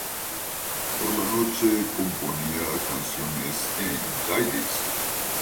Por la noche componía canciones en yidis.